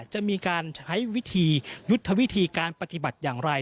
จะมีการใช้วิธียุทธวิธีการปฏิบัติอย่างไร